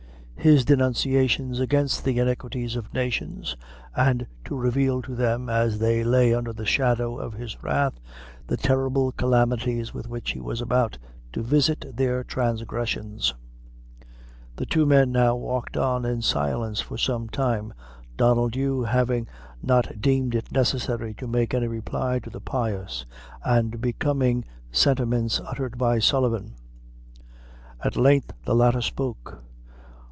his denunciations against the iniquities of nations, and to reveal to them, as they lay under the shadow of his wrath, the terrible calamities with which he was about to visit their transgressions. The two men now walked on in silence for some time, Donnel Dhu having not deemed it necessary to make any reply to the pious and becoming sentiments uttered by Sullivan. At length the latter spoke.